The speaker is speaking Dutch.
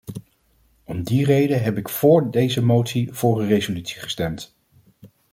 Om die reden heb ik vóór deze motie voor een resolutie gestemd.